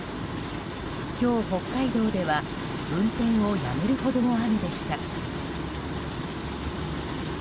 今日、北海道では運転をやめるほどの雨でした。